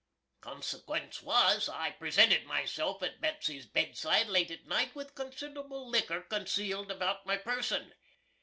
Consekens was, I presented myself at Betsy's bedside late at night with consid'ble licker concealed about my person.